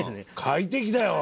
快適だよ